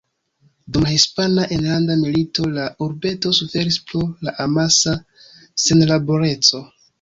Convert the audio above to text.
Dum la Hispana enlanda milito, la urbeto suferis pro la amasa senlaboreco.